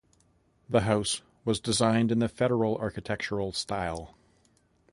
The house was designed in the Federal architectural style.